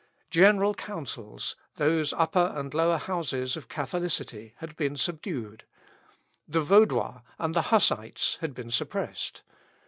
General Councils those Upper and Lower Houses of Catholicity had been subdued. The Vaudois and the Hussites had been suppressed.